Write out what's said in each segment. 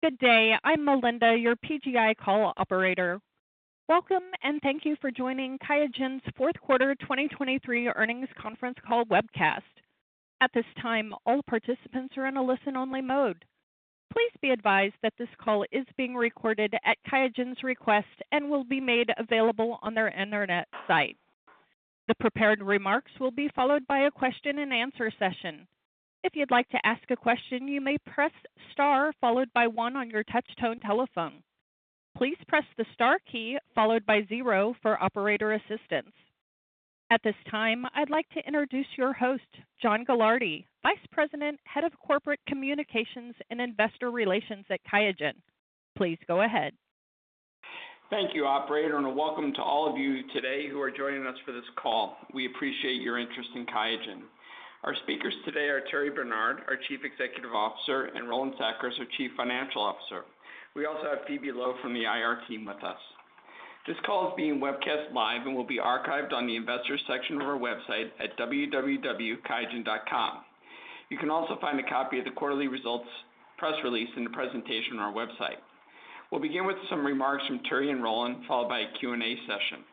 Good day. I'm Melinda, your PGi call operator. Welcome, and thank you for joining QIAGEN's fourth quarter 2023 earnings conference call webcast. At this time, all participants are in a listen-only mode. Please be advised that this call is being recorded at QIAGEN's request and will be made available on their internet site. The prepared remarks will be followed by a question-and-answer session. If you'd like to ask a question, you may press star followed by one on your touchtone telephone. Please press the star key followed by zero for operator assistance. At this time, I'd like to introduce your host, John Gilardi, Vice President, Head of Corporate Communications and Investor Relations at QIAGEN. Please go ahead. Thank you, operator, and welcome to all of you today who are joining us for this call. We appreciate your interest in QIAGEN. Our speakers today are Thierry Bernard, our Chief Executive Officer, and Roland Sackers, our Chief Financial Officer. We also have Phoebe Luo from the IR team with us. This call is being webcast live and will be archived on the Investors section of our website at www.qiagen.com. You can also find a copy of the quarterly results, press release, and the presentation on our website. We'll begin with some remarks from Thierry and Roland, followed by a Q&A session.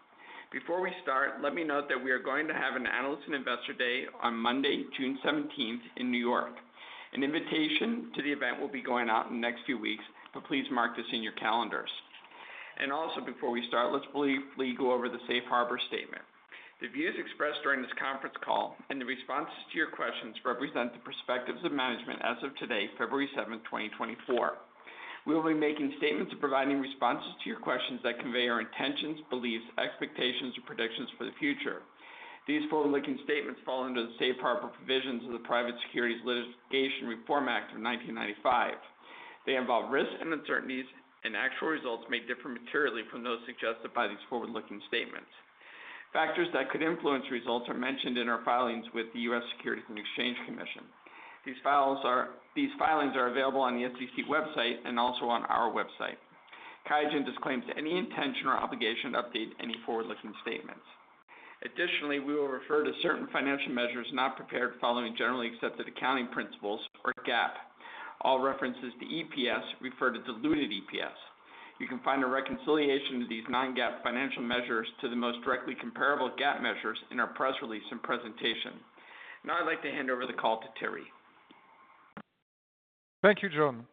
Before we start, let me note that we are going to have an Analyst and Investor Day on Monday, June 17th, in New York. An invitation to the event will be going out in the next few weeks, so please mark this in your calendars. Also before we start, let's briefly go over the safe harbor statement. The views expressed during this conference call and the responses to your questions represent the perspectives of management as of today, February 7th, 2024. We will be making statements and providing responses to your questions that convey our intentions, beliefs, expectations, or predictions for the future. These forward-looking statements fall under the safe harbor provisions of the Private Securities Litigation Reform Act of 1995. They involve risks and uncertainties, and actual results may differ materially from those suggested by these forward-looking statements. Factors that could influence results are mentioned in our filings with the U.S. Securities and Exchange Commission. These filings are available on the SEC website and also on our website. QIAGEN disclaims any intention or obligation to update any forward-looking statements. Additionally, we will refer to certain financial measures not prepared following generally accepted accounting principles, or GAAP. All references to EPS refer to diluted EPS. You can find a reconciliation of these non-GAAP financial measures to the most directly comparable GAAP measures in our press release and presentation. Now, I'd like to hand over the call to Thierry. Thank you, John.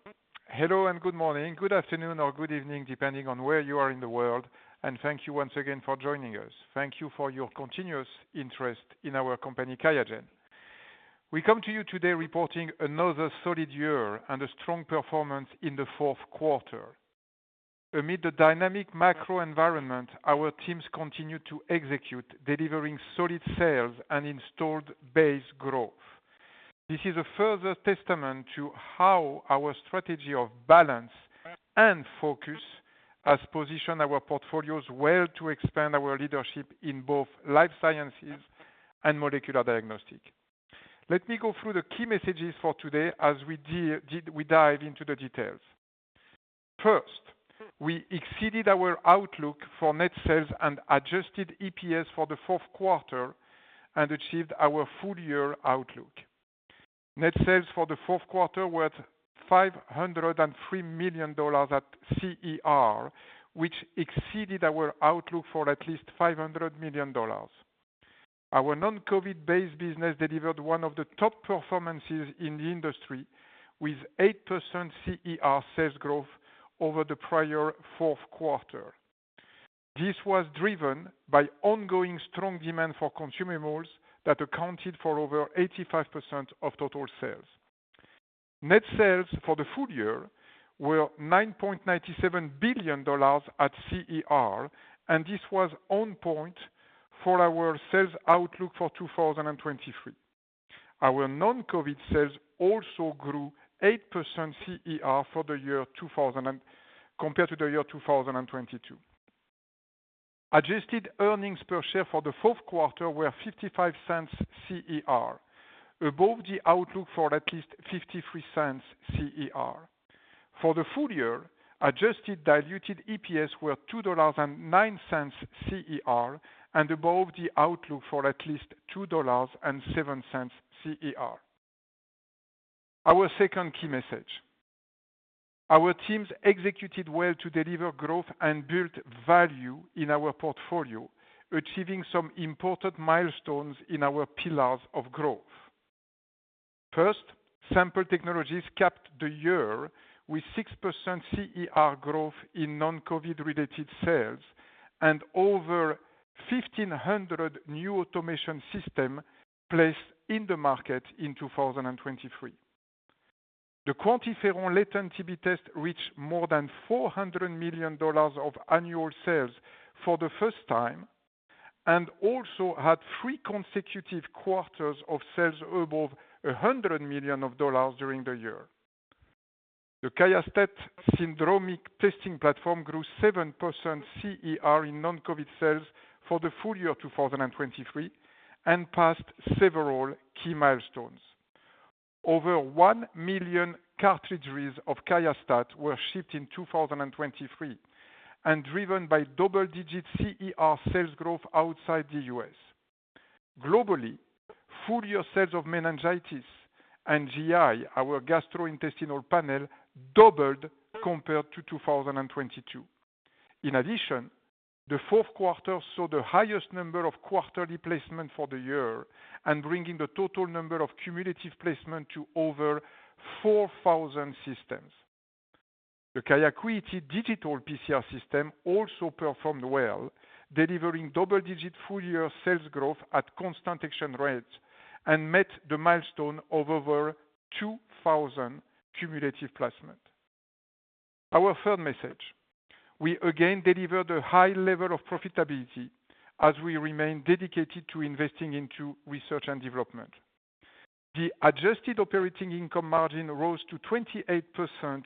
Hello and good morning, good afternoon, or good evening, depending on where you are in the world, and thank you once again for joining us. Thank you for your continuous interest in our company, QIAGEN. We come to you today reporting another solid year and a strong performance in the fourth quarter. Amid the dynamic macro environment, our teams continue to execute, delivering solid sales and installed base growth. This is a further testament to how our strategy of balance and focus has positioned our portfolios well to expand our leadership in both life sciences and molecular diagnostic. Let me go through the key messages for today as we dive into the details. First, we exceeded our outlook for net sales and adjusted EPS for the fourth quarter and achieved our full-year outlook. Net sales for the fourth quarter were $503 million at CER, which exceeded our outlook for at least $500 million. Our non-COVID-based business delivered one of the top performances in the industry, with 8% CER sales growth over the prior fourth quarter. This was driven by ongoing strong demand for consumables that accounted for over 85% of total sales. Net sales for the full year were $9.97 billion at CER, and this was on point for our sales outlook for 2023. Our non-COVID sales also grew 8% CER for the year 2023 compared to the year 2022. Adjusted earnings per share for the fourth quarter were $0.55 CER, above the outlook for at least $0.53 CER. For the full year, adjusted diluted EPS were $2.09 CER and above the outlook for at least $2.07 CER. Our second key message. Our teams executed well to deliver growth and build value in our portfolio, achieving some important milestones in our pillars of growth. First, sample technologies capped the year with 6% CER growth in non-COVID-related sales and over 1,500 new automation system placed in the market in 2023. The QuantiFERON latent TB test reached more than $400 million of annual sales for the first time and also had three consecutive quarters of sales above $100 million of dollars during the year. The QIAstat syndromic testing platform grew 7% CER in non-COVID sales for the full year 2023 and passed several key milestones. Over 1 million cartridges of QIAstat were shipped in 2023 and driven by double-digit CER sales growth outside the U.S. Globally, full year sales of meningitis and GI, our gastrointestinal panel, doubled compared to 2022. In addition, the fourth quarter saw the highest number of quarterly placements for the year and bringing the total number of cumulative placements to over 4,000 systems. The QIAcuity Digital PCR System also performed well, delivering double-digit full-year sales growth at constant exchange rates and met the milestone of over 2,000 cumulative placements. Our third message, we again delivered a high level of profitability as we remain dedicated to investing into research and development. The adjusted operating income margin rose to 28%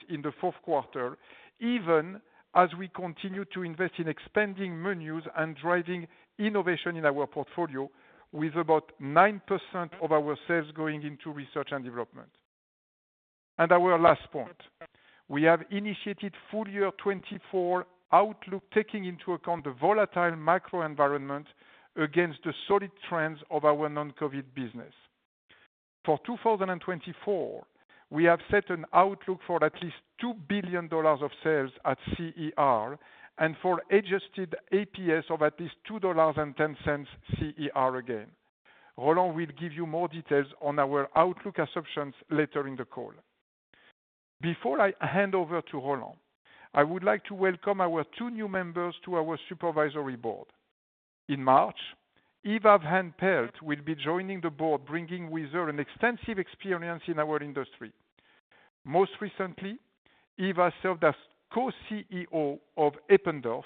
in the fourth quarter, even as we continue to invest in expanding menus and driving innovation in our portfolio, with about 9% of our sales going into research and development. Our last point, we have initiated full year 2024 outlook, taking into account the volatile macro environment against the solid trends of our non-COVID business. For 2024, we have set an outlook for at least $2 billion of sales at CER, and for adjusted EPS of at least $2.10 CER again. Roland will give you more details on our outlook assumptions later in the call. Before I hand over to Roland, I would like to welcome our two new members to our supervisory board. In March, Eva van Pelt will be joining the board, bringing with her an extensive experience in our industry. Most recently, Eva served as Co-CEO of Eppendorf,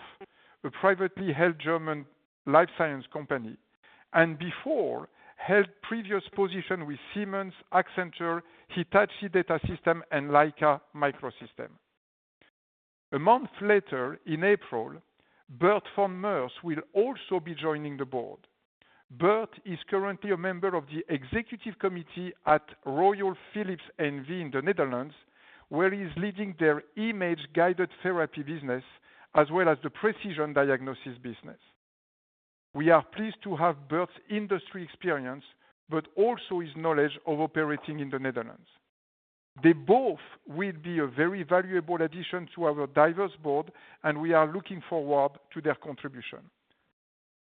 a privately-held German Life Sciences company, and before, held previous position with Siemens, Accenture, Hitachi Data Systems, and Leica Microsystems. A month later, in April, Bert van Meurs will also be joining the board. Bert is currently a member of the executive committee at Royal Philips, NV in the Netherlands, where he's leading their image-guided therapy business, as well as the precision diagnosis business. We are pleased to have Bert's industry experience, but also his knowledge of operating in the Netherlands. They both will be a very valuable addition to our diverse board, and we are looking forward to their contribution.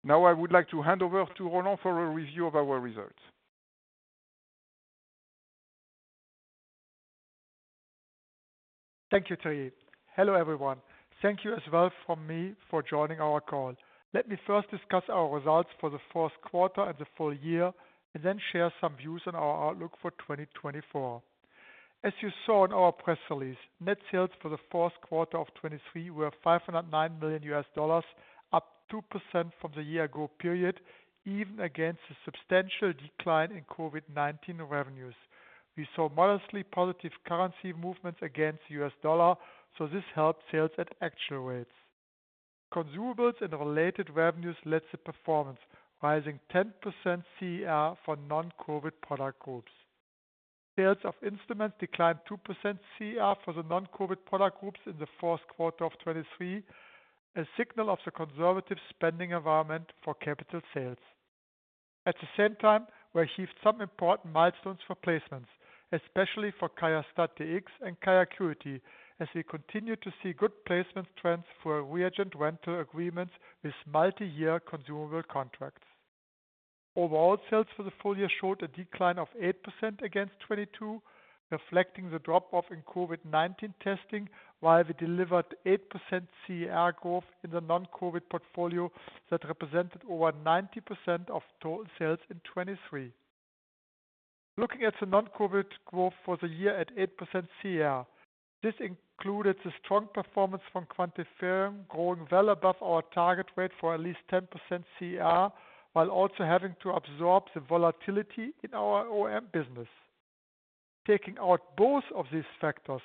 Now, I would like to hand over to Roland for a review of our results. Thank you, Thierry. Hello, everyone. Thank you as well from me for joining our call. Let me first discuss our results for the fourth quarter and the full year, and then share some views on our outlook for 2024. As you saw in our press release, net sales for the fourth quarter of 2023 were $509 million, up 2% from the year-ago period, even against a substantial decline in COVID-19 revenues. We saw modestly positive currency movements against the US dollar, so this helped sales at actual rates. Consumables and related revenues led the performance, rising 10% CER for non-COVID product groups. Sales of instruments declined 2% CER for the non-COVID product groups in the fourth quarter of 2023, a signal of the conservative spending environment for capital sales. At the same time, we achieved some important milestones for placements, especially for QIAstat-Dx and QIAcuity, as we continue to see good placement trends for our reagent rental agreements with multi-year consumable contracts. Overall, sales for the full year showed a decline of 8% against 2022, reflecting the drop-off in COVID-19 testing, while we delivered 8% CER growth in the non-COVID portfolio that represented over 90% of total sales in 2023. Looking at the non-COVID growth for the year at 8% CER, this included the strong performance from QuantiFERON, growing well above our target rate for at least 10% CER, while also having to absorb the volatility in our OEM business. Taking out both of these factors,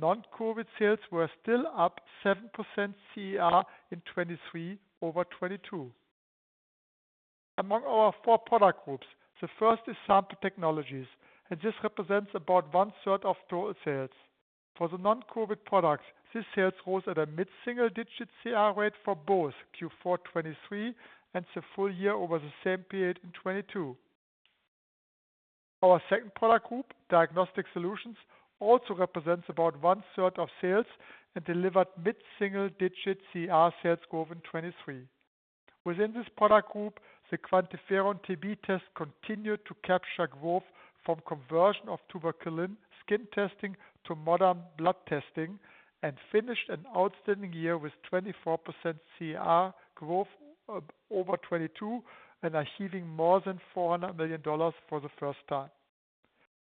non-COVID sales were still up 7% CER in 2023 over 2022. Among our four product groups, the first is sample technologies, and this represents about 1/3 of total sales. For the non-COVID products, these sales rose at a mid-single digit CER rate for both Q4 2023 and the full year over the same period in 2022. Our second product group, diagnostic solutions, also represents about 1/3 of sales and delivered mid-single digit CER sales growth in 2023. Within this product group, the QuantiFERON-TB test continued to capture growth from conversion of tuberculin skin testing to modern blood testing and finished an outstanding year with 24% CER growth over 2022 and achieving more than $400 million for the first time.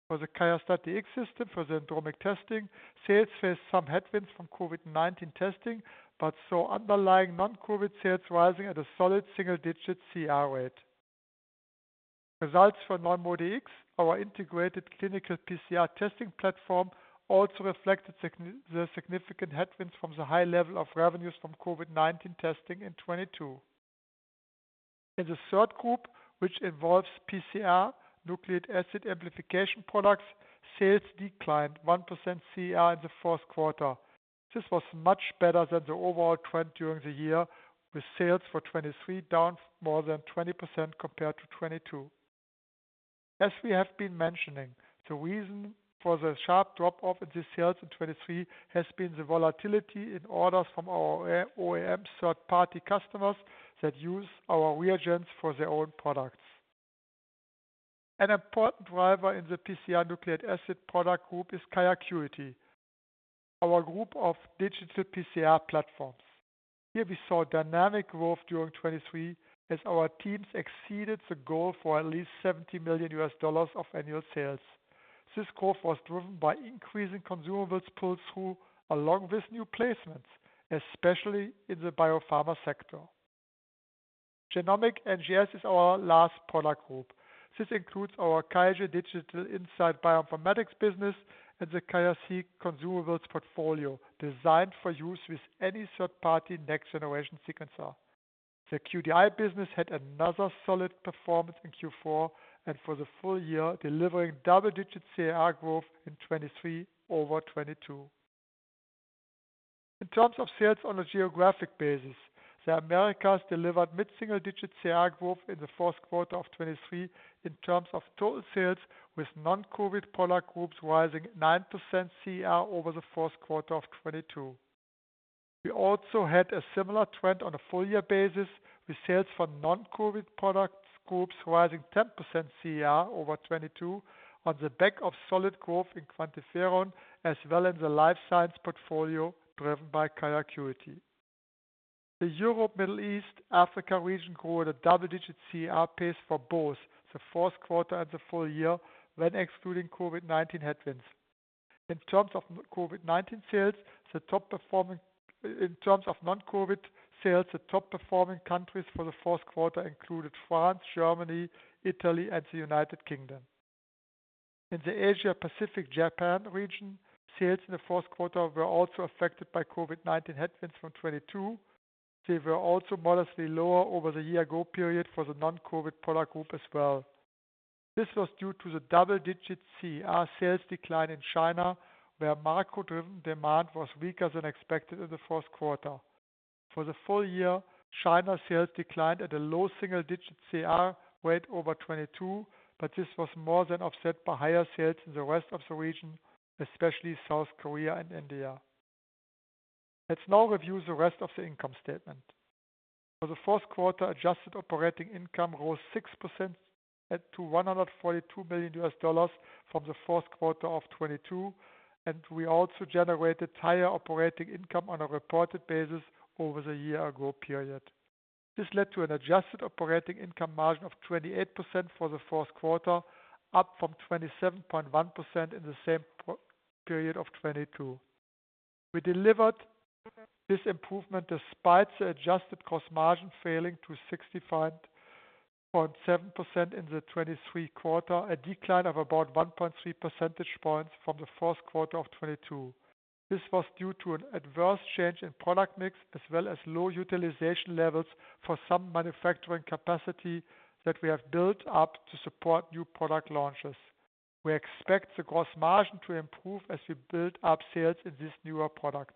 For the QIAstat-Dx system for the syndromic testing, sales faced some headwinds from COVID-19 testing, but saw underlying non-COVID sales rising at a solid single digit CER rate. Results for NeuMoDx, our integrated clinical PCR testing platform, also reflected the significant headwinds from the high level of revenues from COVID-19 testing in 2022. In the third group, which involves PCR, nucleic acid amplification products, sales declined 1% CER in the fourth quarter. This was much better than the overall trend during the year, with sales for 2023 down more than 20% compared to 2022. As we have been mentioning, the reason for the sharp drop-off in the sales in 2023 has been the volatility in orders from our OEM third-party customers that use our reagents for their own products. An important driver in the PCR nucleic acid product group is QIAcuity, our group of digital PCR platforms. Here we saw dynamic growth during 2023, as our teams exceeded the goal for at least $70 million of annual sales. This growth was driven by increasing consumables pull-through, along with new placements, especially in the biopharma sector. Genomic NGS is our last product group. This includes our QIAGEN Digital Insights Bioinformatics business and the QIAseq consumables portfolio, designed for use with any third-party next-generation sequencer. The QDI business had another solid performance in Q4 and for the full year, delivering double-digit CER growth in 2023 over 2022. In terms of sales on a geographic basis, the Americas delivered mid-single-digit CER growth in the fourth quarter of 2023 in terms of total sales, with non-COVID product groups rising 9% CER over the fourth quarter of 2022. We also had a similar trend on a full year basis, with sales for non-COVID product groups rising 10% CER over 2022 on the back of solid growth in QuantiFERON, as well in the life science portfolio, driven by QIAcuity. The Europe, Middle East, Africa region grew at a double-digit CER pace for both the fourth quarter and the full year when excluding COVID-19 headwinds. In terms of COVID-19 sales, the top performing, in terms of non-COVID sales, the top-performing countries for the fourth quarter included France, Germany, Italy, and the United Kingdom. In the Asia Pacific, Japan region, sales in the fourth quarter were also affected by COVID-19 headwinds from 2022. They were also modestly lower over the year-ago period for the non-COVID product group as well. This was due to the double-digit CER sales decline in China, where macro-driven demand was weaker than expected in the fourth quarter. For the full year, China sales declined at a low single-digit CER rate over 2022, but this was more than offset by higher sales in the rest of the region, especially South Korea and India. Let's now review the rest of the income statement. For the fourth quarter, adjusted operating income rose 6% to $142 million from the fourth quarter of 2022, and we also generated higher operating income on a reported basis over the year-ago period. This led to an adjusted operating income margin of 28% for the fourth quarter, up from 27.1% in the same period of 2022. We delivered this improvement despite the adjusted gross margin falling to 65.7% in the 2023 quarter, a decline of about 1.3 percentage points from the fourth quarter of 2022. This was due to an adverse change in product mix, as well as low utilization levels for some manufacturing capacity that we have built up to support new product launches. We expect the gross margin to improve as we build up sales in these newer products.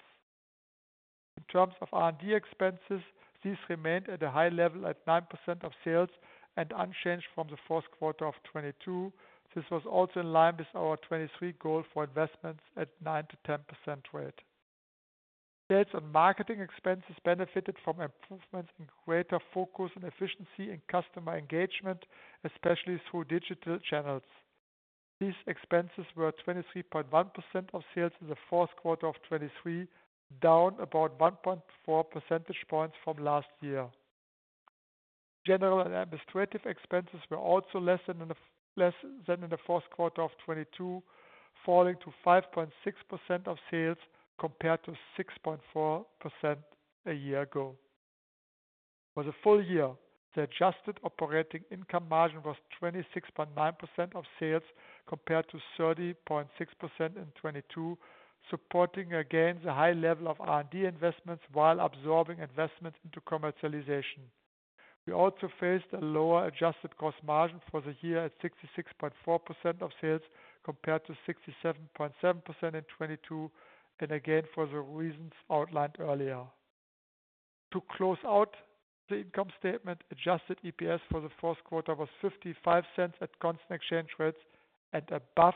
In terms of R&D expenses, these remained at a high level at 9% of sales and unchanged from the fourth quarter of 2022. This was also in line with our 2023 goal for investments at 9%-10% rate. Sales and marketing expenses benefited from improvements in greater focus and efficiency in customer engagement, especially through digital channels. These expenses were 23.1% of sales in the fourth quarter of 2023, down about 1.4 percentage points from last year. General and administrative expenses were also less than in the fourth quarter of 2022, falling to 5.6% of sales, compared to 6.4% a year ago. For the full year, the adjusted operating income margin was 26.9% of sales, compared to 30.6% in 2022, supporting again the high level of R&D investments while absorbing investments into commercialization. We also faced a lower adjusted gross margin for the year at 66.4% of sales, compared to 67.7% in 2022, and again, for the reasons outlined earlier. To close out the income statement, adjusted EPS for the fourth quarter was $0.55 at constant exchange rates and above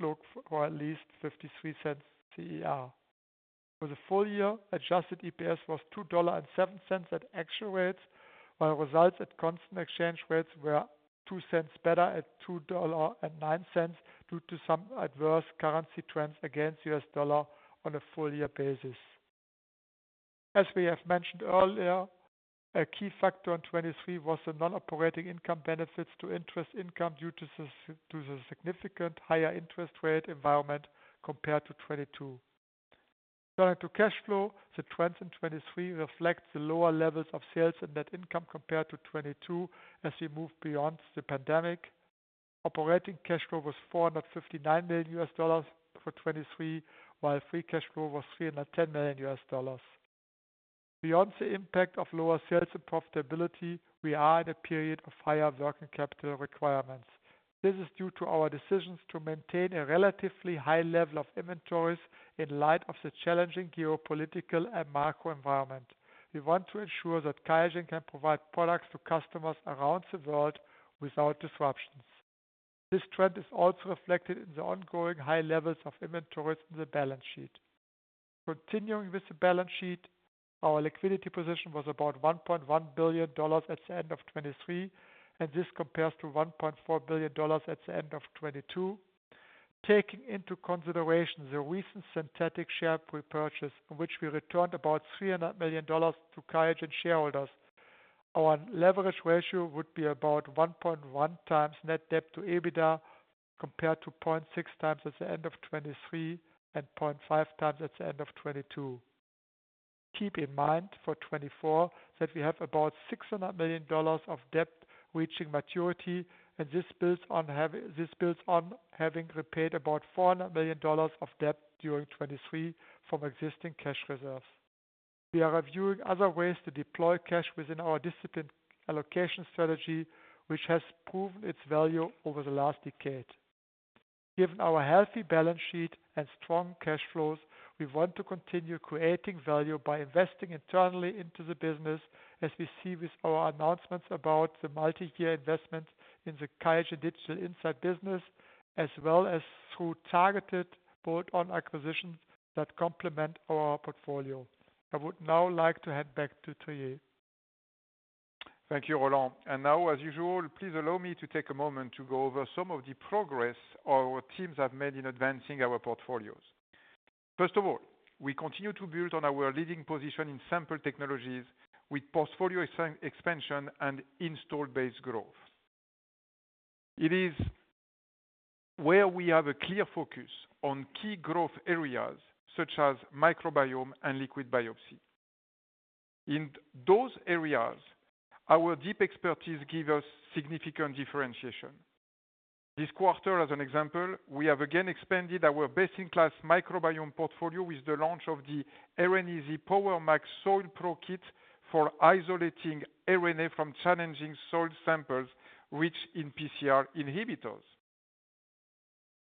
the outlook for at least $0.53 CER. For the full year, adjusted EPS was $2.07 at actual rates, while results at constant exchange rates were $0.02 better at $2.09 due to some adverse currency trends against U.S. dollar on a full year basis. As we have mentioned earlier, a key factor in 2023 was the non-operating income benefits to interest income due to the significant higher interest rate environment compared to 2022. Turning to cash flow, the trends in 2023 reflect the lower levels of sales and net income compared to 2022 as we move beyond the pandemic. Operating cash flow was $459 million for 2023, while free cash flow was $310 million. Beyond the impact of lower sales and profitability, we are in a period of higher working capital requirements. This is due to our decisions to maintain a relatively high level of inventories in light of the challenging geopolitical and macro environment. We want to ensure that QIAGEN can provide products to customers around the world without disruptions. This trend is also reflected in the ongoing high levels of inventories in the balance sheet. Continuing with the balance sheet, our liquidity position was about $1.1 billion at the end of 2023, and this compares to $1.4 billion at the end of 2022. Taking into consideration the recent synthetic share repurchase, in which we returned about $300 million to QIAGEN shareholders, our leverage ratio would be about 1.1x net debt to EBITDA, compared to 0.6x at the end of 2023 and 0.5x at the end of 2022. Keep in mind, for 2024, that we have about $600 million of debt reaching maturity, and this builds on having repaid about $400 million of debt during 2023 from existing cash reserves. We are reviewing other ways to deploy cash within our disciplined allocation strategy, which has proven its value over the last decade. Given our healthy balance sheet and strong cash flows, we want to continue creating value by investing internally into the business, as we see with our announcements about the multi-year investment in the QIAGEN Digital Insights business, as well as through targeted bolt-on acquisitions that complement our portfolio. I would now like to hand back to Thierry. Thank you, Roland. Now, as usual, please allow me to take a moment to go over some of the progress our teams have made in advancing our portfolios. First of all, we continue to build on our leading position in sample technologies with portfolio expansion and installed base growth. It is where we have a clear focus on key growth areas, such as microbiome and liquid biopsy. In those areas, our deep expertise give us significant differentiation. This quarter, as an example, we have again expanded our best-in-class microbiome portfolio with the launch of the RNeasy PowerMax Soil Pro Kit for isolating RNA from challenging soil samples containing PCR inhibitors.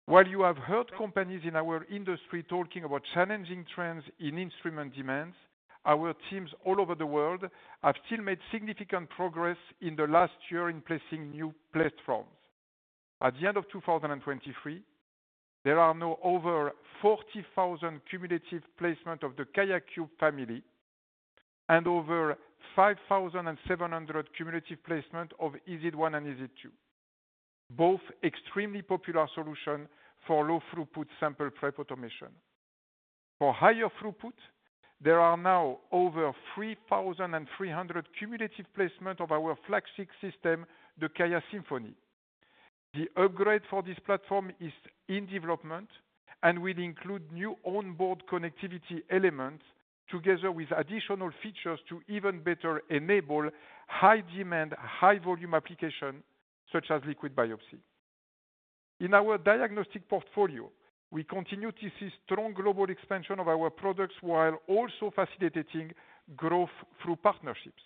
While you have heard companies in our industry talking about challenging trends in instrument demands, our teams all over the world have still made significant progress in the last year in placing new platforms. At the end of 2023, there are now over 40,000 cumulative placement of the QIAcube family and over 5,700 cumulative placement of EZ1 and EZ2, both extremely popular solution for low-throughput sample prep automation. For higher throughput, there are now over 3,300 cumulative placement of our flagship system, the QIAsymphony. The upgrade for this platform is in development and will include new onboard connectivity elements, together with additional features to even better enable high-demand, high-volume application, such as liquid biopsy. In our diagnostic portfolio, we continue to see strong global expansion of our products, while also facilitating growth through partnerships.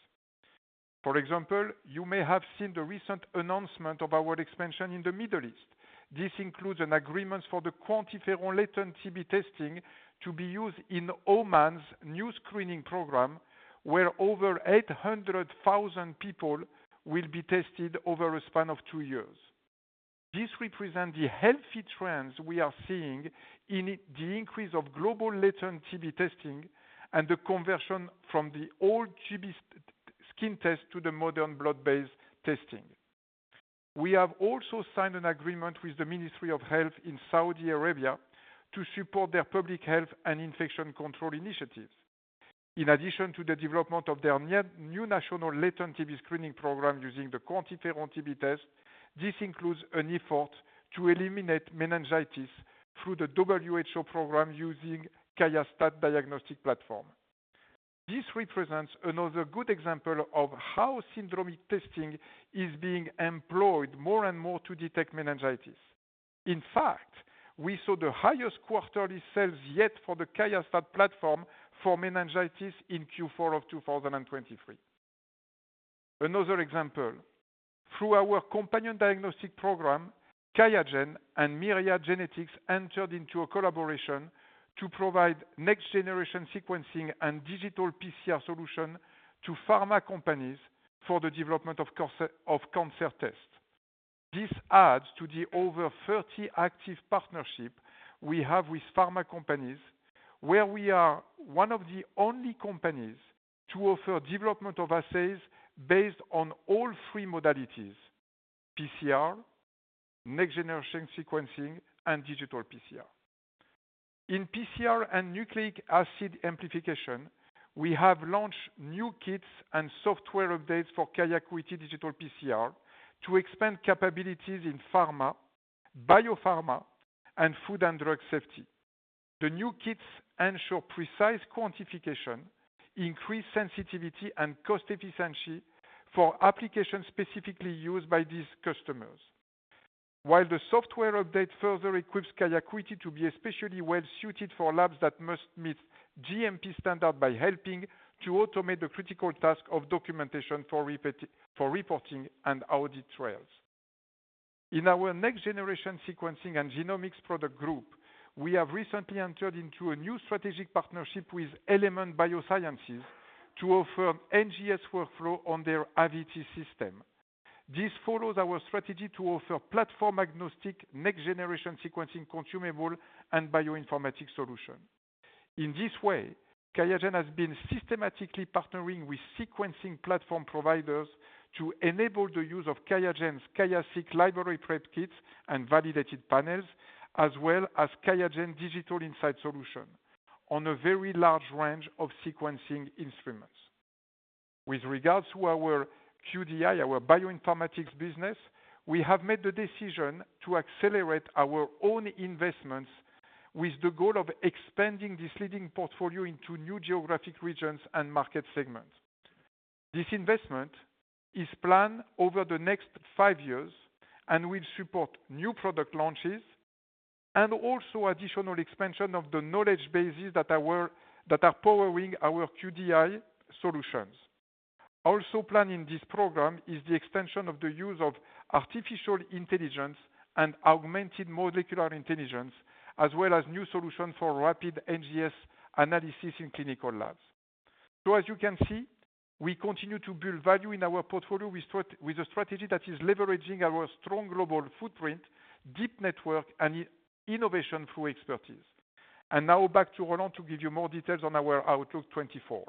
For example, you may have seen the recent announcement of our expansion in the Middle East. This includes an agreement for the QuantiFERON latent TB testing to be used in Oman's new screening program, where over 800,000 people will be tested over a span of two years. This represent the healthy trends we are seeing in the increase of global latent TB testing and the conversion from the old TB skin test to the modern blood-based testing. We have also signed an agreement with the Ministry of Health in Saudi Arabia to support their public health and infection control initiatives. In addition to the development of their new national latent TB screening program using the QuantiFERON TB test, this includes an effort to eliminate meningitis through the WHO program using QIAstat diagnostic platform. This represents another good example of how syndromic testing is being employed more and more to detect meningitis. In fact, we saw the highest quarterly sales yet for the QIAstat platform for meningitis in Q4 of 2023. Another example, through our companion diagnostic program, QIAGEN and Myriad Genetics entered into a collaboration to provide next-generation sequencing and digital PCR solution to pharma companies for the development of cancer, of cancer tests. This adds to the over 30 active partnership we have with pharma companies, where we are one of the only companies to offer development of assays based on all three modalities: PCR, next-generation sequencing, and digital PCR. In PCR and nucleic acid amplification, we have launched new kits and software updates for QIAcuity digital PCR to expand capabilities in pharma, biopharma, and food and drug safety. The new kits ensure precise quantification, increased sensitivity, and cost efficiency for applications specifically used by these customers. While the software update further equips QIAcuity to be especially well-suited for labs that must meet GMP standard by helping to automate the critical task of documentation for reporting and audit trails. In our next-generation sequencing and genomics product group, we have recently entered into a new strategic partnership with Element Biosciences to offer NGS workflow on their AVITI system. This follows our strategy to offer platform-agnostic, next-generation sequencing, consumable, and bioinformatics solution. In this way, QIAGEN has been systematically partnering with sequencing platform providers to enable the use of QIAGEN's QIAseq library prep kits and validated panels, as well as QIAGEN Digital Insights solution on a very large range of sequencing instruments. With regards to our QDI, our bioinformatics business, we have made the decision to accelerate our own investments with the goal of expanding this leading portfolio into new geographic regions and market segments. This investment is planned over the next five years and will support new product launches and also additional expansion of the knowledge bases that are powering our QDI solutions. Also planned in this program is the expansion of the use of artificial intelligence and augmented molecular intelligence, as well as new solutions for rapid NGS analysis in clinical labs. So as you can see, we continue to build value in our portfolio with a strategy that is leveraging our strong global footprint, deep network, and innovation through expertise. Now back to Roland to give you more details on our outlook 2024.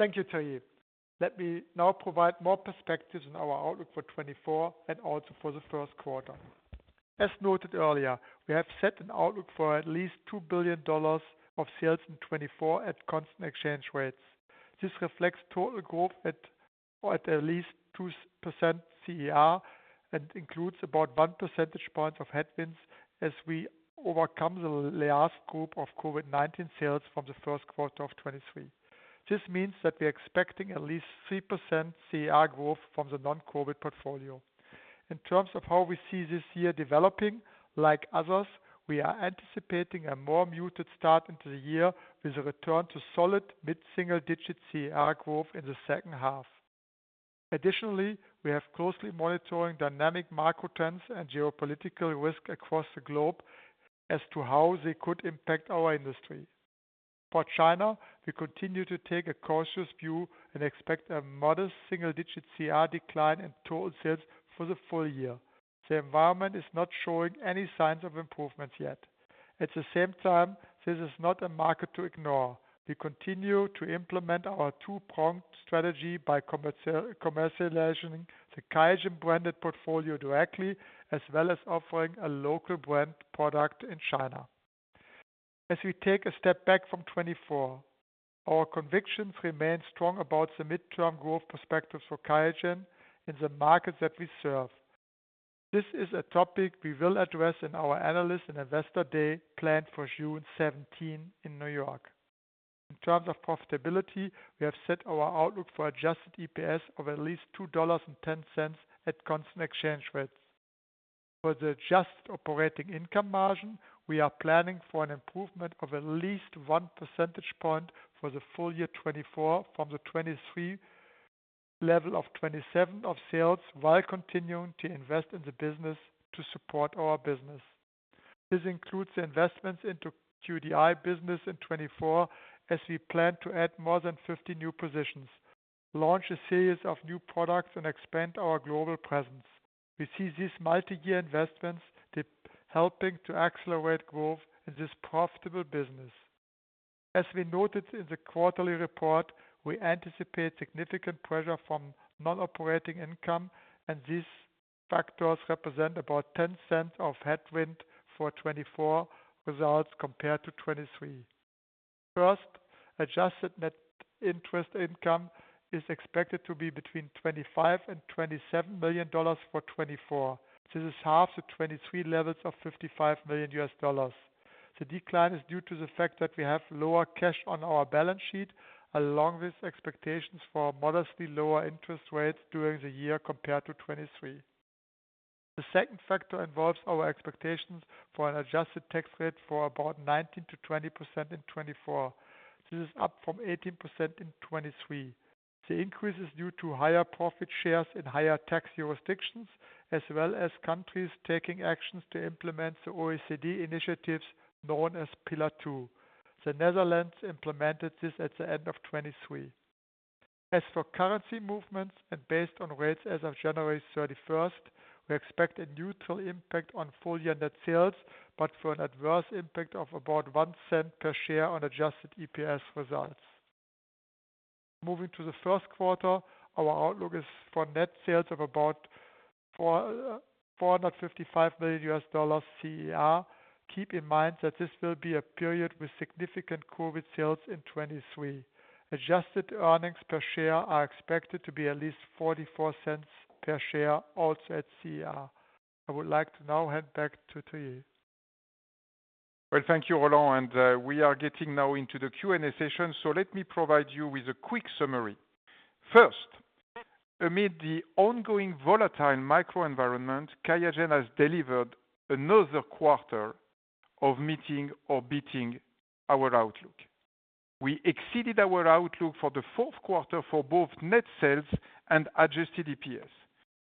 Thank you, Thierry. Let me now provide more perspectives on our outlook for 2024 and also for the first quarter. As noted earlier, we have set an outlook for at least $2 billion of sales in 2024 at constant exchange rates. This reflects total growth at least 2% CER, and includes about 1 percentage point of headwinds as we overcome the last group of COVID-19 sales from the first quarter of 2023. This means that we are expecting at least 3% CER growth from the non-COVID portfolio. In terms of how we see this year developing, like others, we are anticipating a more muted start into the year with a return to solid mid-single-digit CER growth in the second half. Additionally, we have closely monitoring dynamic macro trends and geopolitical risk across the globe as to how they could impact our industry. For China, we continue to take a cautious view and expect a modest single-digit CER decline in total sales for the full year. The environment is not showing any signs of improvements yet. At the same time, this is not a market to ignore. We continue to implement our two-pronged strategy by commercializing the QIAGEN-branded portfolio directly, as well as offering a local brand product in China. As we take a step back from 2024, our convictions remain strong about the midterm growth perspectives for QIAGEN in the markets that we serve. This is a topic we will address in our Analyst and Investor Day, planned for June 17th in New York. In terms of profitability, we have set our outlook for adjusted EPS of at least $2.10 at constant exchange rates. For the adjusted operating income margin, we are planning for an improvement of at least 1 percentage point for the full year 2024 from the 2023 level of 27% of sales, while continuing to invest in the business to support our business. This includes investments into QDI business in 2024, as we plan to add more than 50 new positions, launch a series of new products, and expand our global presence. We see these multi-year investments helping to accelerate growth in this profitable business. As we noted in the quarterly report, we anticipate significant pressure from non-operating income, and these factors represent about $0.10 of headwind for 2024 results compared to 2023. First, adjusted net interest income is expected to be between $25 million and $27 million for 2024. This is half the 2023 levels of $55 million. The decline is due to the fact that we have lower cash on our balance sheet, along with expectations for modestly lower interest rates during the year compared to 2023. The second factor involves our expectations for an adjusted tax rate for about 19%-20% in 2024. This is up from 18% in 2023. The increase is due to higher profit shares in higher tax jurisdictions, as well as countries taking actions to implement the OECD initiatives known as Pillar Two. The Netherlands implemented this at the end of 2023. As for currency movements and based on rates as of January 31st, we expect a neutral impact on full-year net sales, but for an adverse impact of about $0.01 per share on adjusted EPS results. Moving to the first quarter, our outlook is for net sales of about $455 million CER. Keep in mind that this will be a period with significant COVID sales in 2023. Adjusted earnings per share are expected to be at least $0.44 per share, also at CER. I would like to now hand back to Thierry. Well, thank you, Roland, and, we are getting now into the Q&A session, so let me provide you with a quick summary. First, amid the ongoing volatile macroenvironment, QIAGEN has delivered another quarter of meeting or beating our outlook. We exceeded our outlook for the fourth quarter for both net sales and adjusted EPS.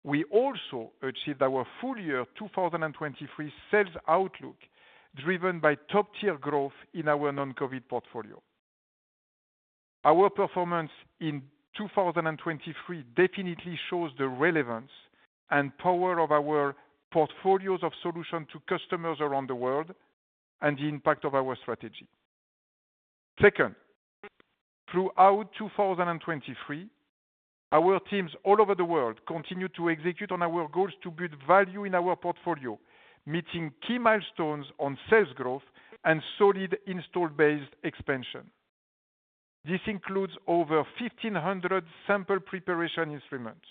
We also achieved our full year 2023 sales outlook, driven by top-tier growth in our non-COVID portfolio. Our performance in 2023 definitely shows the relevance and power of our portfolios of solutions to customers around the world and the impact of our strategy. Second, throughout 2023, our teams all over the world continued to execute on our goals to build value in our portfolio, meeting key milestones on sales growth and solid installed base expansion. This includes over 1,500 sample preparation instruments,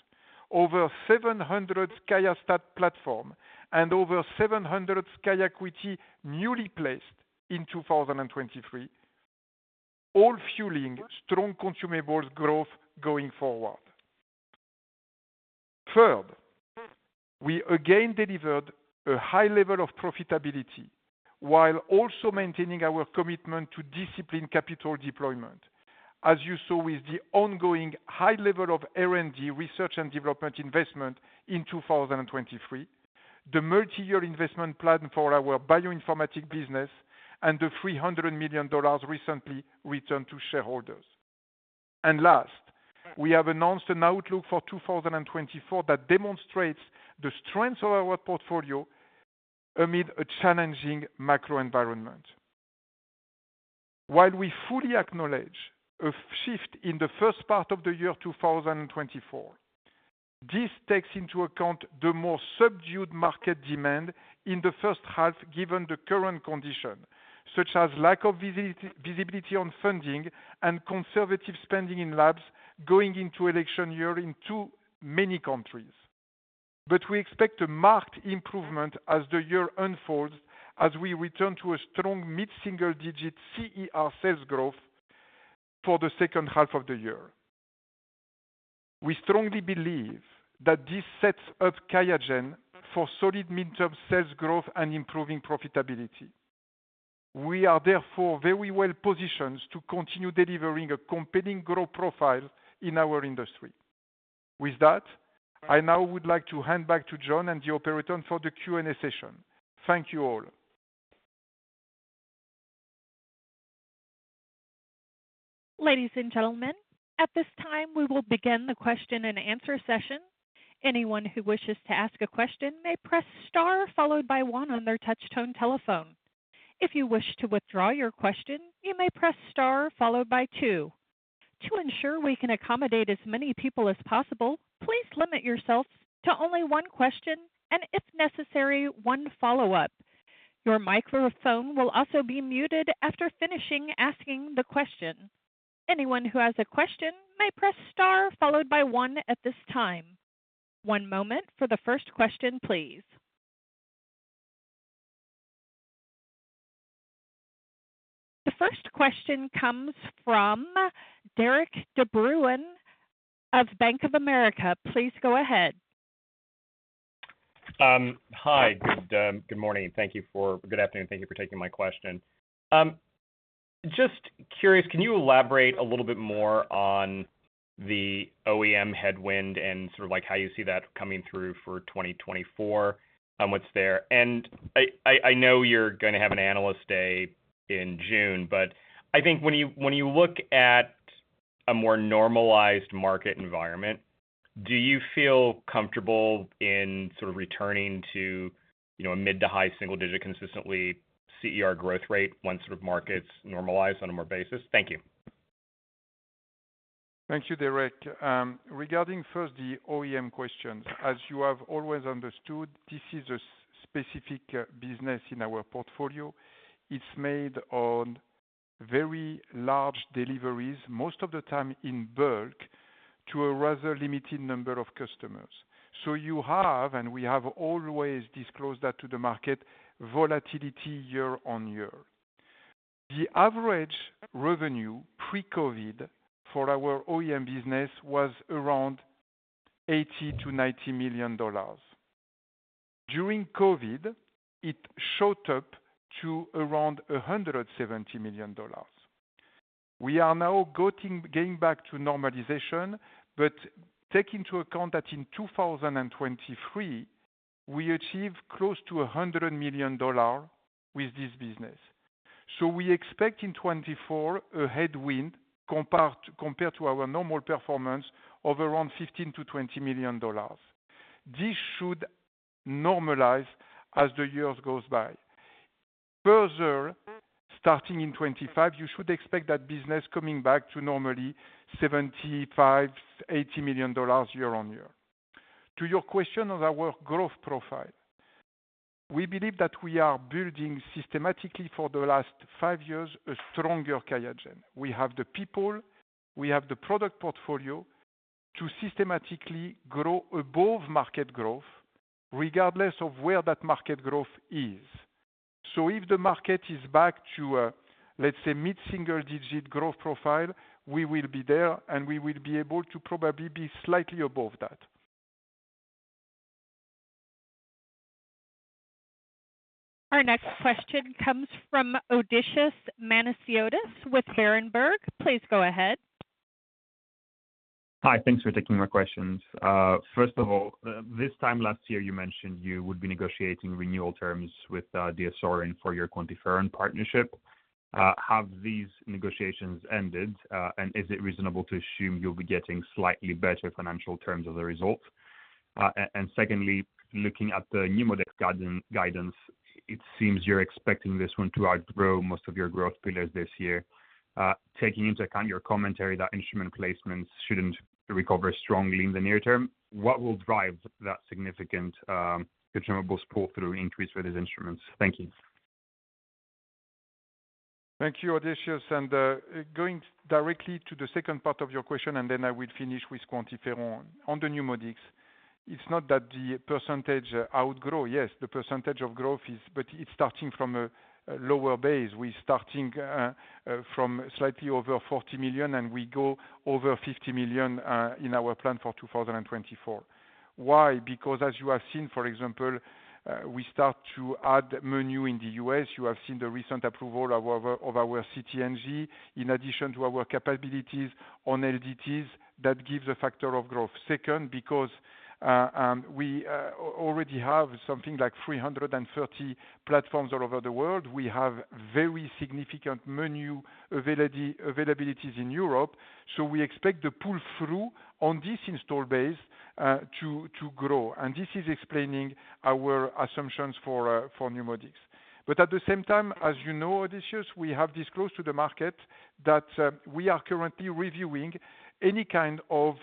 over 700 QIAstat platforms, and over 700 QIAcuity newly placed in 2023, all fueling strong consumables growth going forward. Third, we again delivered a high level of profitability while also maintaining our commitment to disciplined capital deployment, as you saw with the ongoing high level of R&D, research and development investment in 2023, the multi-year investment plan for our bioinformatics business, and the $300 million recently returned to shareholders. And last, we have announced an outlook for 2024 that demonstrates the strength of our portfolio amid a challenging macro environment. While we fully acknowledge a shift in the first part of the year 2024, this takes into account the more subdued market demand in the first half, given the current condition, such as lack of visibility on funding and conservative spending in labs going into election year in too many countries. But we expect a marked improvement as the year unfolds, as we return to a strong mid-single-digit CER sales growth for the second half of the year. We strongly believe that this sets up QIAGEN for solid mid-term sales growth and improving profitability. We are therefore very well positioned to continue delivering a competing growth profile in our industry. With that, I now would like to hand back to John and the operator for the Q&A session. Thank you all. Ladies and gentlemen, at this time, we will begin the question-and-answer session. Anyone who wishes to ask a question may press star followed by one on their touch-tone telephone. If you wish to withdraw your question, you may press star followed by two. To ensure we can accommodate as many people as possible, please limit yourself to only one question and, if necessary, one follow-up. Your microphone will also be muted after finishing asking the question. Anyone who has a question may press star followed by one at this time. One moment for the first question, please. The first question comes from Derik De Bruin of Bank of America. Please go ahead. Hi. Good morning. Thank you for, good afternoon, thank you for taking my question. Just curious, can you elaborate a little bit more on the OEM headwind and sort of like how you see that coming through for 2024? What's there? And I know you're going to have an Analyst Day in June, but I think when you look at a more normalized market environment, do you feel comfortable in sort of returning to, you know, a mid to high-single-digit, consistently CER growth rate once sort of markets normalize on a more basis? Thank you. Thank you, Derik. Regarding first the OEM question, as you have always understood, this is a specific business in our portfolio. It's made on very large deliveries, most of the time in bulk, to a rather limited number of customers. So you have, and we have always disclosed that to the market, volatility year-on-year. The average revenue pre-COVID for our OEM business was around $80 million-$90 million. During COVID, it shot up to around $170 million. We are now going back to normalization, but take into account that in 2023, we achieved close to $100 million with this business. So we expect in 2024, a headwind, compared to our normal performance, of around $15 million-$20 million. This should normalize as the years goes by. Further, starting in 2025, you should expect that business coming back to normally $75 million-$80 million year-on-year. To your question on our growth profile, we believe that we are building systematically for the last five years, a stronger QIAGEN. We have the people, we have the product portfolio to systematically grow above market growth, regardless of where that market growth is. So if the market is back to, let's say, mid-single-digit growth profile, we will be there, and we will be able to probably be slightly above that. Our next question comes from Odysseas Manesiotis, with Berenberg. Please go ahead. Hi, thanks for taking my questions. First of all, this time last year, you mentioned you would be negotiating renewal terms with DiaSorin for your QuantiFERON partnership. Have these negotiations ended? And is it reasonable to assume you'll be getting slightly better financial terms as a result? And secondly, looking at the NeuMoDx guidance, it seems you're expecting this one to outgrow most of your growth pillars this year. Taking into account your commentary, that instrument placements shouldn't recover strongly in the near term, what will drive that significant consumable pull through increase with these instruments? Thank you. Thank you, Odysseas. And, going directly to the second part of your question, and then I will finish with QuantiFERON. On the NeuMoDx, it's not that the percentage outgrow. Yes, the percentage of growth is, but it's starting from a, a lower base. We're starting, from slightly over $40 million, and we go over $50 million, in our plan for 2024. Why? Because as you have seen, for example, we start to add menu in the U.S. You have seen the recent approval of our, of our CT/NG, in addition to our capabilities on LDTs. That gives a factor of growth. Second, because, we, already have something like 330 platforms all over the world. We have very significant menu availabilities in Europe, so we expect to pull through on this install base to grow. And this is explaining our assumptions for NeuMoDx. But at the same time, as you know, Odysseas, we have disclosed to the market that we are currently reviewing any kind of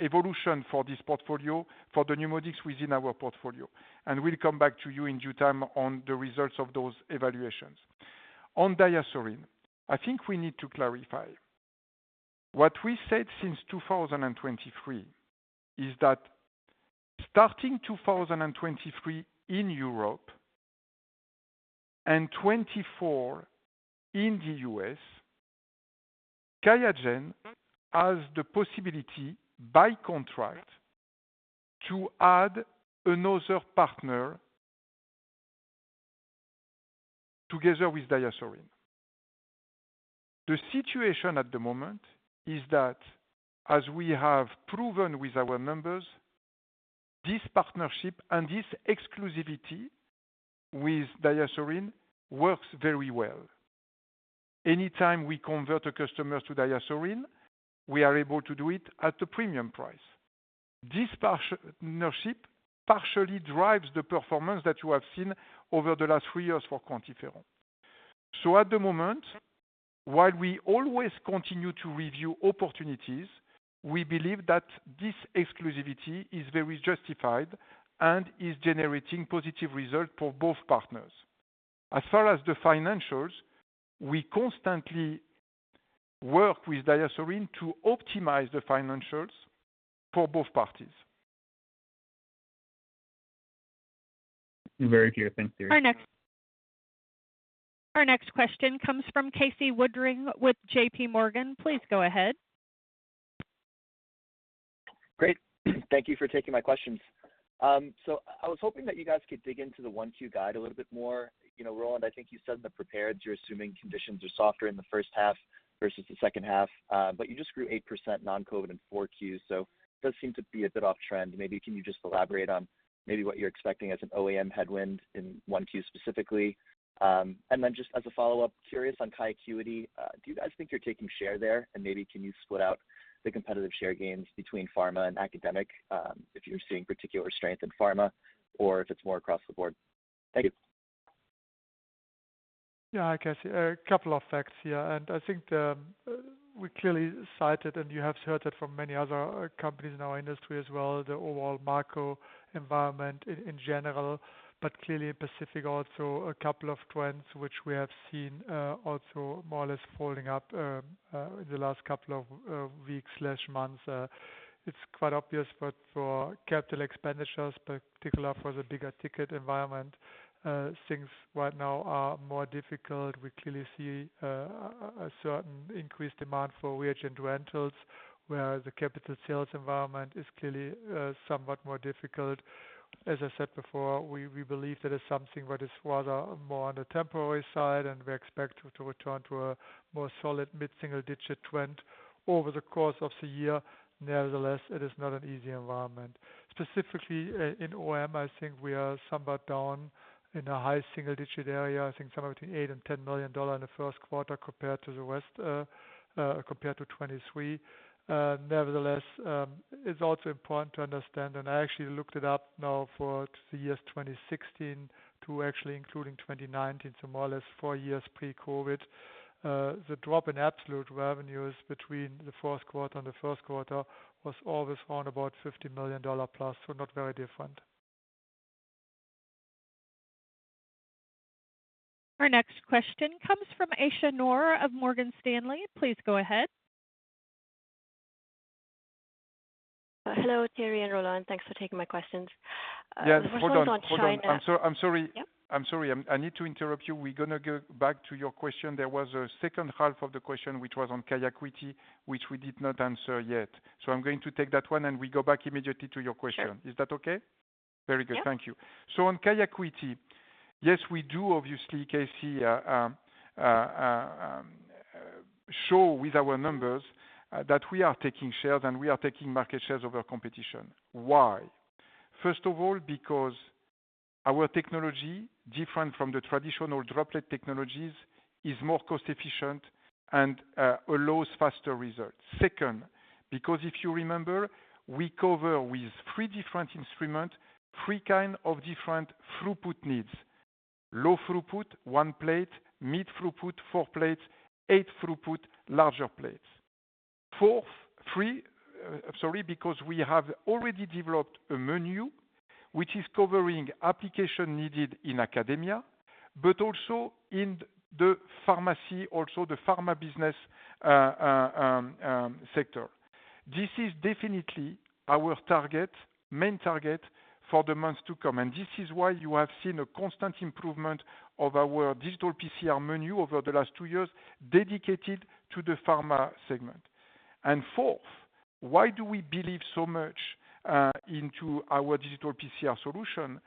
evolution for this portfolio, for the NeuMoDx within our portfolio. And we'll come back to you in due time on the results of those evaluations. On DiaSorin, I think we need to clarify. What we said since 2023 is that starting 2023 in Europe, and 2024 in the U.S., QIAGEN has the possibility, by contract, to add another partner together with DiaSorin. The situation at the moment is that, as we have proven with our numbers, this partnership and this exclusivity with DiaSorin works very well. Anytime we convert a customer to DiaSorin, we are able to do it at a premium price. This partnership partially drives the performance that you have seen over the last three years for QuantiFERON. So at the moment, while we always continue to review opportunities, we believe that this exclusivity is very justified and is generating positive results for both partners. As far as the financials, we constantly work with DiaSorin to optimize the financials for both parties. Very clear. Thank you. Our next question comes from Casey Woodring, with JPMorgan. Please go ahead. Great, thank you for taking my questions. So I was hoping that you guys could dig into the 1Q guide a little bit more. You know, Roland, I think you said in the prepared, you're assuming conditions are softer in the first half versus the second half, but you just grew 8% non-COVID in 4Q, so it does seem to be a bit off trend. Maybe can you just elaborate on maybe what you're expecting as an OEM headwind in 1Q, specifically? And then just as a follow-up, curious on QIAcuity. Do you guys think you're taking share there? And maybe can you split out the competitive share gains between pharma and academic, if you're seeing particular strength in pharma or if it's more across the board? Thank you. Yeah, hi, Casey. A couple of facts here, and I think, we clearly cited, and you have heard it from many other companies in our industry as well, the overall macro environment in, in general, but clearly in Pacific, also a couple of trends which we have seen, also more or less folding up, in the last couple of weeks or months. It's quite obvious, but for capital expenditures, particular for the bigger ticket environment, things right now are more difficult. We clearly see a certain increased demand for reagent rentals, where the capital sales environment is clearly somewhat more difficult. As I said before, we believe that it's something that is rather more on the temporary side, and we expect to return to a more solid mid-single digit trend over the course of the year. Nevertheless, it is not an easy environment. Specifically, in OEM, I think we are somewhat down in a high single digit area. I think somewhere between $8 million and $10 million in the first quarter, compared to last, compared to 2023. Nevertheless, it's also important to understand, and I actually looked it up now for the years 2016 to actually including 2019, so more or less four years pre-COVID. The drop in absolute revenues between the fourth quarter and the first quarter was always around about $50 million+, so not very different. Our next question comes from Aisyah Noor of Morgan Stanley. Please go ahead. Hello, Thierry and Roland. Thanks for taking my questions. Yes, hold on, hold on. I'm sorry, I'm sorry. Yep. I'm sorry. I need to interrupt you. We're going to go back to your question. There was a second half of the question, which was on QIAcuity, which we did not answer yet. So I'm going to take that one, and we go back immediately to your question. Sure. Is that okay? Very good. Yeah. Thank you. So on QIAcuity, yes, we do obviously, Casey, show with our numbers that we are taking shares, and we are taking market shares over competition. Why? First of all, because our technology, different from the traditional droplet technologies, is more cost efficient and allows faster results. Second, because if you remember, we cover with three different instruments, three kind of different throughput needs. Low throughput, one plate; mid throughput, four plates; high throughput, larger plates. Sorry, because we have already developed a menu which is covering application needed in academia, but also in the pharmacy, also the pharma business sector. This is definitely our target, main target for the months to come, and this is why you have seen a constant improvement of our digital PCR menu over the last two years, dedicated to the pharma segment. And fourth, why do we believe so much into our digital PCR solution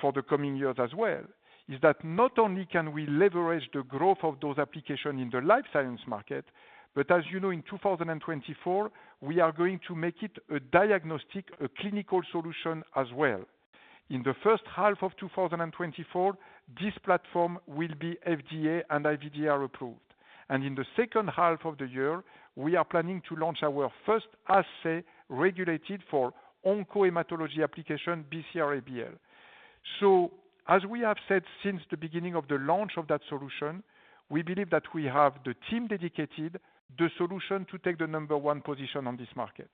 for the coming years as well? Is that not only can we leverage the growth of those applications in the life science market, but as you know, in 2024, we are going to make it a diagnostic, a clinical solution as well. In the first half of 2024, this platform will be FDA and IVDR approved. And in the second half of the year, we are planning to launch our first assay, regulated for oncohematology application, BCR-ABL. So as we have said since the beginning of the launch of that solution, we believe that we have the team dedicated, the solution to take the number one position on this market.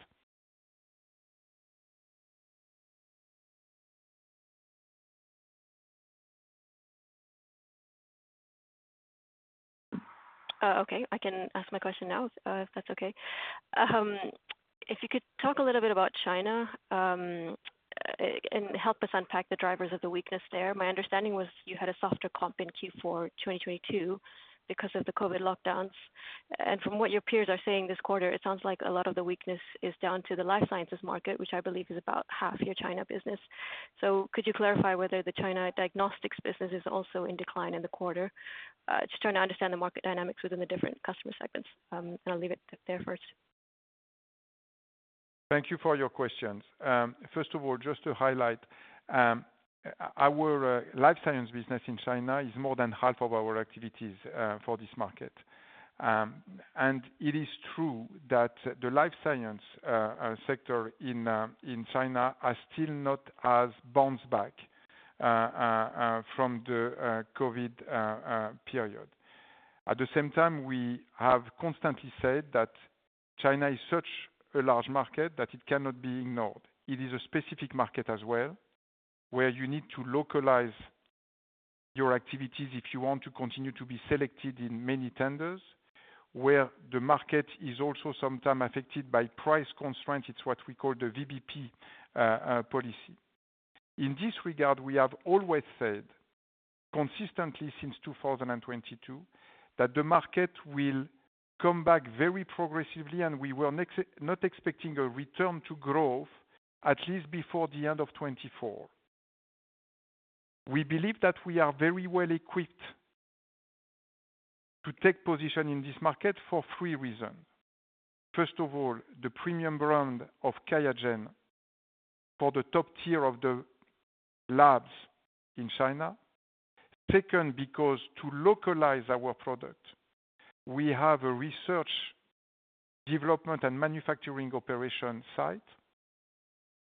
Okay, I can ask my question now, if that's okay. If you could talk a little bit about China, and help us unpack the drivers of the weakness there. My understanding was you had a softer comp in Q4 2022 because of the COVID lockdowns. From what your peers are saying this quarter, it sounds like a lot of the weakness is down to the life sciences market, which I believe is about half your China business. Could you clarify whether the China diagnostics business is also in decline in the quarter? Just trying to understand the market dynamics within the different customer segments. I'll leave it there first. Thank you for your questions. First of all, just to highlight, our life science business in China is more than half of our activities for this market. It is true that the life science sector in China are still not as bounced back from the COVID period. At the same time, we have constantly said that China is such a large market that it cannot be ignored. It is a specific market as well, where you need to localize your activities if you want to continue to be selected in many tenders. Where the market is also sometimes affected by price constraints, it's what we call the VBP policy. In this regard, we have always said consistently since 2022, that the market will come back very progressively, and we were not expecting a return to growth at least before the end of 2024. We believe that we are very well equipped to take position in this market for three reasons. First of all, the premium brand of QIAGEN for the top tier of the labs in China. Second, because to localize our product, we have a research, development, and manufacturing operation site.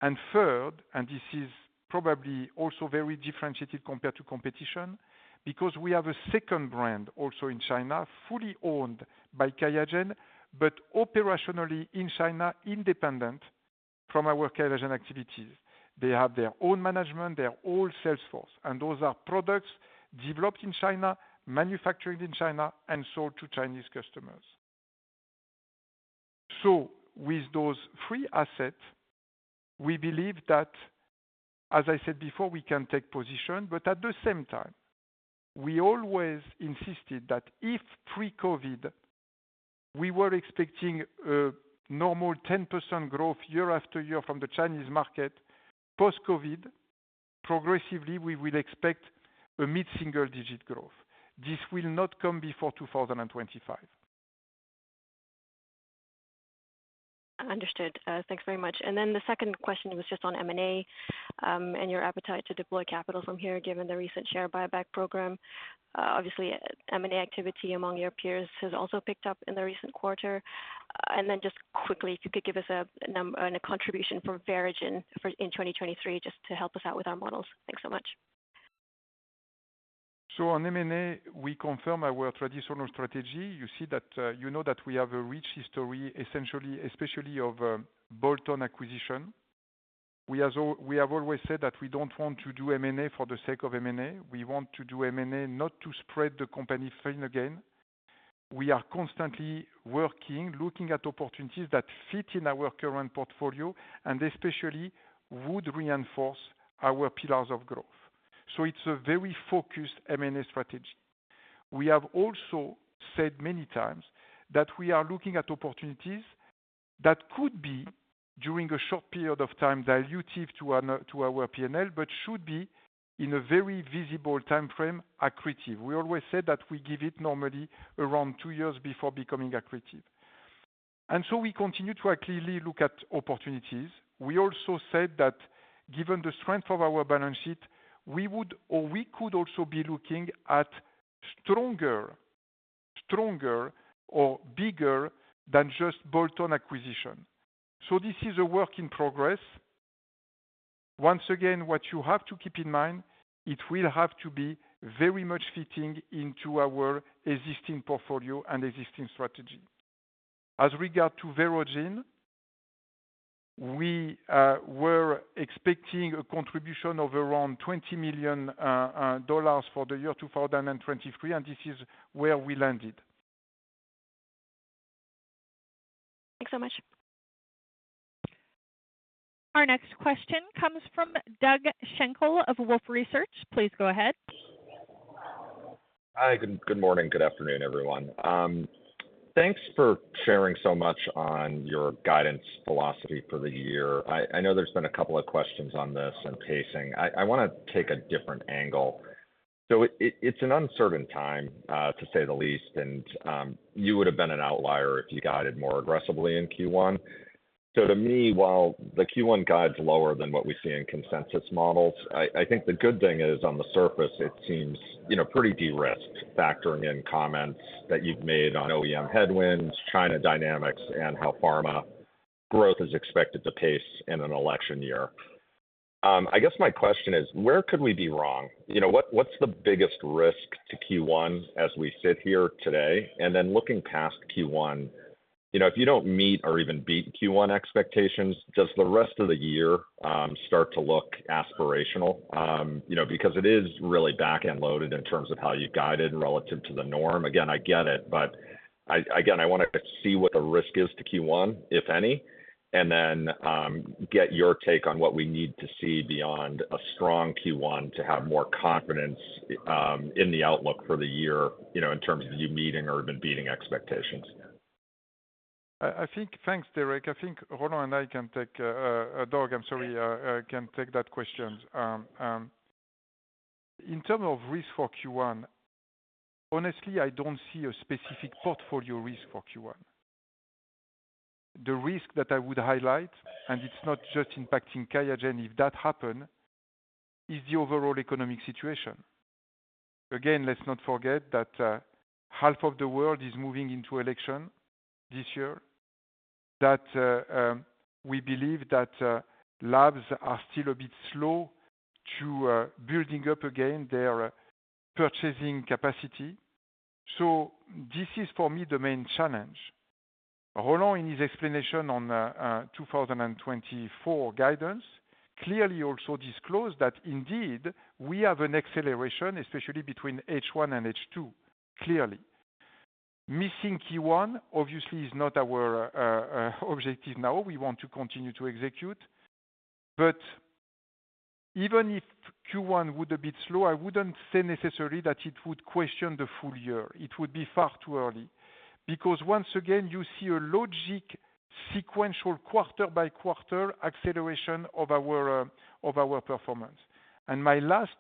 And third, and this is probably also very differentiated compared to competition, because we have a second brand also in China, fully owned by QIAGEN, but operationally in China, independent from our QIAGEN activities. They have their own management, their own sales force, and those are products developed in China, manufactured in China, and sold to Chinese customers. With those three assets, we believe that, as I said before, we can take position, but at the same time, we always insisted that if pre-COVID, we were expecting a normal 10% growth year after year from the Chinese market. Post-COVID, progressively, we will expect a mid-single digit growth. This will not come before 2025. Understood. Thanks very much. And then the second question was just on M&A, and your appetite to deploy capital from here, given the recent share buyback program. Obviously, M&A activity among your peers has also picked up in the recent quarter. And then just quickly, if you could give us a number and a contribution for Verogen in 2023, just to help us out with our models. Thanks so much. So on M&A, we confirm our traditional strategy. You see that, you know that we have a rich history, essentially, especially of bolt-on acquisition. We have always said that we don't want to do M&A for the sake of M&A. We want to do M&A, not to spread the company thin again. We are constantly working, looking at opportunities that fit in our current portfolio, and especially would reinforce our pillars of growth. So it's a very focused M&A strategy. We have also said many times that we are looking at opportunities that could be, during a short period of time, dilutive to our, to our P&L, but should be, in a very visible time frame, accretive. We always said that we give it normally around two years before becoming accretive. And so we continue to actively look at opportunities. We also said that given the strength of our balance sheet, we would or we could also be looking at stronger, stronger or bigger than just bolt-on acquisition. So this is a work in progress. Once again, what you have to keep in mind, it will have to be very much fitting into our existing portfolio and existing strategy. As regard to Verogen, we were expecting a contribution of around $20 million for the year 2023, and this is where we landed. Thanks so much. Our next question comes from Doug Schenkel of Wolfe Research. Please go ahead. Hi, good, good morning, good afternoon, everyone. Thanks for sharing so much on your guidance philosophy for the year. I, I know there's been a couple of questions on this and pacing. I, I want to take a different angle. So it, it's an uncertain time, to say the least, and, you would have been an outlier if you guided more aggressively in Q1. So to me, while the Q1 guide's lower than what we see in consensus models, I, I think the good thing is on the surface it seems, you know, pretty de-risked, factoring in comments that you've made on OEM headwinds, China dynamics, and how pharma growth is expected to pace in an election year. I guess my question is: where could we be wrong? You know, what, what's the biggest risk to Q1 as we sit here today? Then looking past Q1, you know, if you don't meet or even beat Q1 expectations, does the rest of the year start to look aspirational? You know, because it is really back-end loaded in terms of how you guided relative to the norm. Again, I get it, but again, I wanted to see what the risk is to Q1, if any, and then get your take on what we need to see beyond a strong Q1 to have more confidence in the outlook for the year, you know, in terms of you meeting or even beating expectations. I think, Thanks, Derik. I think Roland and I can take, Doug, I'm sorry, can take that question. In terms of risk for Q1, honestly, I don't see a specific portfolio risk for Q1. The risk that I would highlight, and it's not just impacting QIAGEN, if that happened, is the overall economic situation. Again, let's not forget that half of the world is moving into election this year, that we believe that labs are still a bit slow to building up again their purchasing capacity. So this is, for me, the main challenge. Roland, in his explanation on 2024 guidance, clearly also disclosed that indeed, we have an acceleration, especially between H1 and H2, clearly. Missing Q1, obviously, is not our objective now, we want to continue to execute. But even if Q1 would a bit slow, I wouldn't say necessarily that it would question the full year. It would be far too early. Because once again, you see a logic sequential quarter by quarter acceleration of our, of our performance. And my last,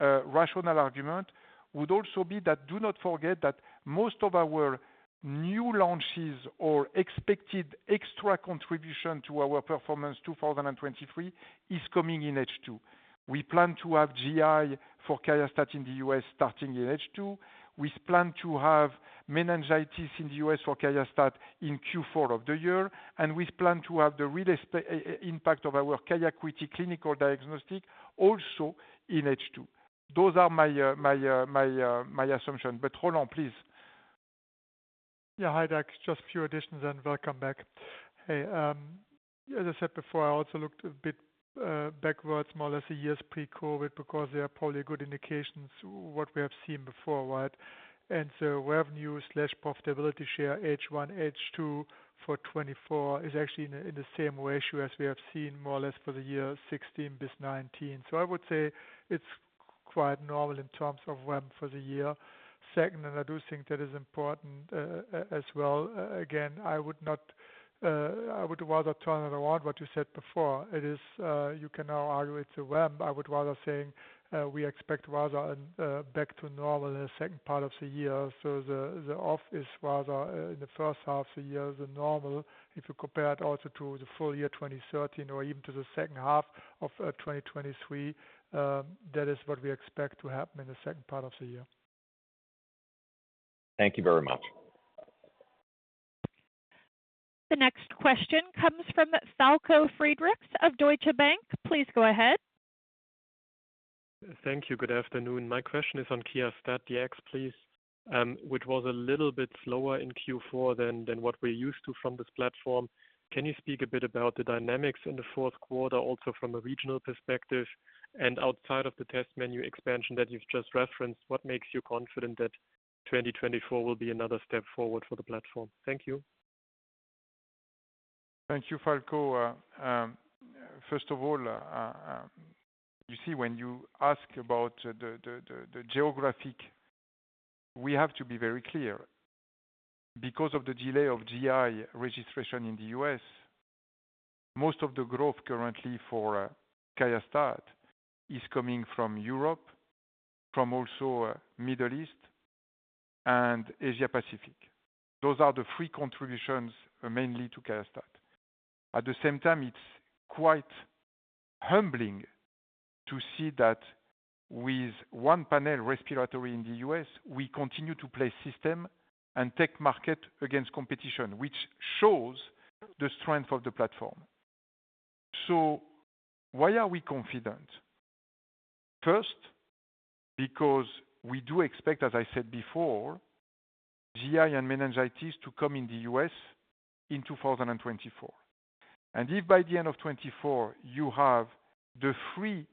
rational argument would also be that do not forget that most of our new launches or expected extra contribution to our performance 2023, is coming in H2. We plan to have GI for QIAstat in the U.S. starting in H2. We plan to have meningitis in the U.S. for QIAstat in Q4 of the year, and we plan to have the realized impact of our QIAcuity clinical diagnostic also in H2. Those are my assumption. But Roland, please. Yeah. Hi, Doug, just a few additions and welcome back. Hey, as I said before, I also looked a bit backwards, more or less a year pre-COVID, because they are probably a good indication what we have seen before, right? And so revenue/profitability share H1, H2 for 2024 is actually in the same ratio as we have seen more or less for the year 2016 to 2019. So I would say it's quite normal in terms of ramp for the year. Second, and I do think that is important, as well. Again, I would not, I would rather turn it around what you said before. It is, you can now argue it's a ramp. I would rather saying, we expect rather back to normal in the second part of the year. So the offset is rather in the first half of the year than normal. If you compare it also to the full year 2013 or even to the second half of 2023, that is what we expect to happen in the second part of the year. Thank you very much. The next question comes from Falko Friedrichs of Deutsche Bank. Please go ahead. Thank you. Good afternoon. My question is on QIAstat-Dx, please, which was a little bit slower in Q4 than what we're used to from this platform. Can you speak a bit about the dynamics in the fourth quarter, also from a regional perspective? And outside of the test menu expansion that you've just referenced, what makes you confident that 2024 will be another step forward for the platform? Thank you. Thank you, Falko. First of all, you see, when you ask about the geographic, we have to be very clear. Because of the delay of GI registration in the U.S., most of the growth currently for QIAstat is coming from Europe, from also, Middle East and Asia Pacific. Those are the three contributions, mainly to QIAstat. At the same time, it's quite humbling to see that with one panel respiratory in the U.S., we continue to place system and take market against competition, which shows the strength of the platform. So why are we confident? First, because we do expect, as I said before, GI and meningitis to come in the U.S. in 2024. If by the end of 2024 you have the three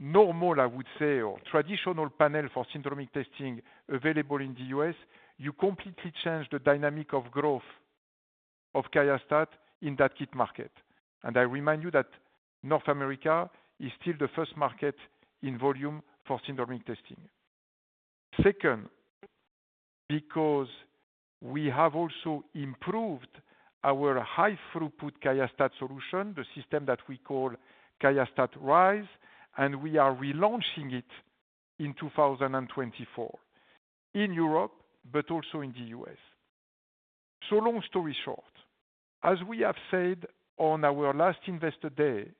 normal, I would say, or traditional panel for syndromic testing available in the U.S., you completely change the dynamic of growth of QIAstat in that kit market. I remind you that North America is still the first market in volume for syndromic testing. Second, because we have also improved our high throughput QIAstat solution, the system that we call QIAstat Rise, and we are relaunching it in 2024, in Europe, but also in the U.S. Long story short, as we have said on our last Investor Day,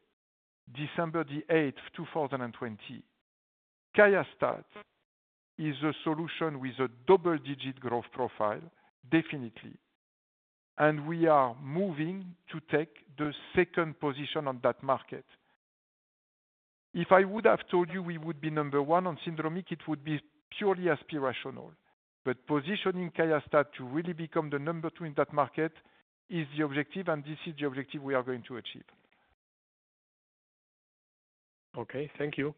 December the 8th, 2020, QIAstat is a solution with a double-digit growth profile, definitely, and we are moving to take the second position on that market. If I would have told you we would be number one on syndromic, it would be purely aspirational, but positioning QIAstat to really become the number two in that market is the objective, and this is the objective we are going to achieve. Okay, thank you.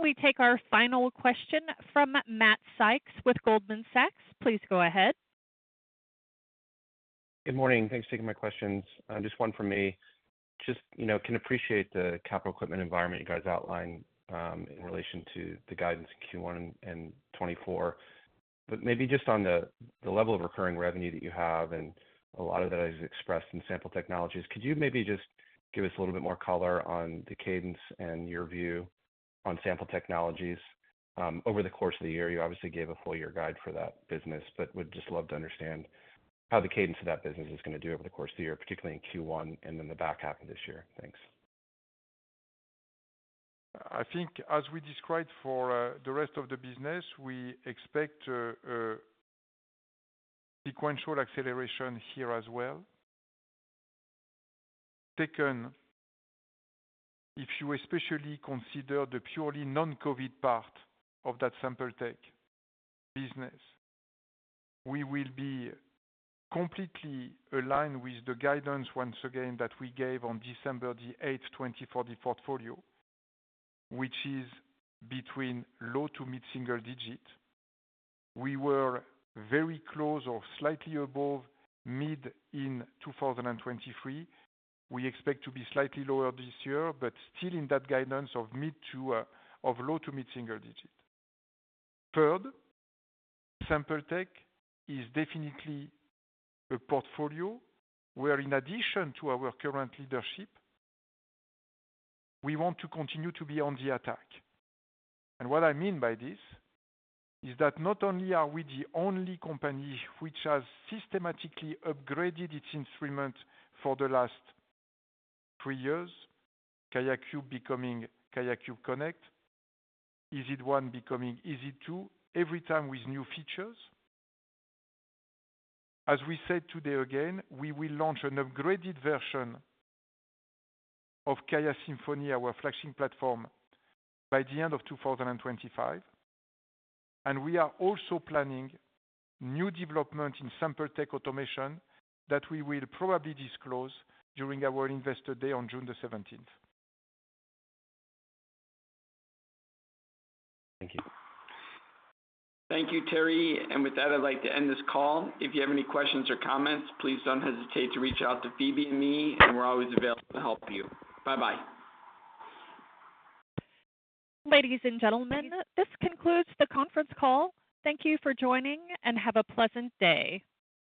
We take our final question from Matt Sykes with Goldman Sachs. Please go ahead. Good morning. Thanks for taking my questions. Just one from me. Just, you know, can appreciate the capital equipment environment you guys outlined in relation to the guidance in Q1 and 2024. But maybe just on the level of recurring revenue that you have, and a lot of that is expressed in sample technologies. Could you maybe just give us a little bit more color on the cadence and your view on sample technologies over the course of the year? You obviously gave a full year guide for that business, but would just love to understand how the cadence of that business is going to do over the course of the year, particularly in Q1 and then the back half of this year. Thanks. I think as we described for the rest of the business, we expect a sequential acceleration here as well. Second, if you especially consider the purely non-COVID part of that sample tech business, we will be completely aligned with the guidance, once again, that we gave on December the 8th, 2020 for the portfolio, which is between low to mid-single-digit. We were very close or slightly above mid in 2023. We expect to be slightly lower this year, but still in that guidance of mid to low to mid-single-digit. Third, sample tech is definitely a portfolio where in addition to our current leadership, we want to continue to be on the attack. What I mean by this is that not only are we the only company which has systematically upgraded its instrument for the last three years, QIAcube becoming QIAcube Connect, EZ1 becoming EZ2, every time with new features. As we said today again, we will launch an upgraded version of QIAsymphony, our flagship platform, by the end of 2025. We are also planning new development in sample tech automation that we will probably disclose during our Investor Day on June 17th. Thank you. Thank you, Thierry. With that, I'd like to end this call. If you have any questions or comments, please don't hesitate to reach out to Phoebe and me, and we're always available to help you. Bye-bye. Ladies and gentlemen, this concludes the conference call. Thank you for joining, and have a pleasant day.